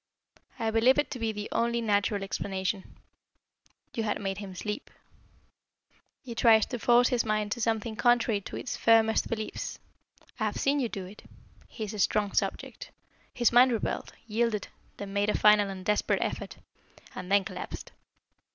"I believe it to be the only natural explanation. You had made him sleep. You tried to force his mind to something contrary to its firmest beliefs. I have seen you do it. He is a strong subject. His mind rebelled, yielded, then made a final and desperate effort, and then collapsed.